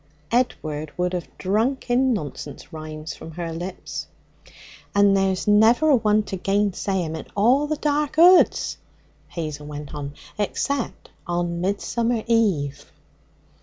Edward would have drunk in nonsense rhymes from her lips. 'And there's never a one to gainsay 'em in all the dark 'oods,' Hazel went on, 'except on Midsummer Eve.'